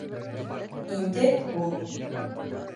Инде ул: